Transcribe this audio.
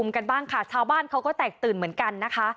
กันบ้างค่ะชาวบ้านเขาก็แตกตื่นเหมือนกันนะคะ